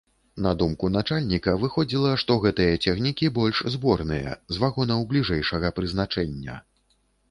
На думку начальніка, выходзіла, што гэтыя цягнікі больш зборныя, з вагонаў бліжэйшага прызначэння.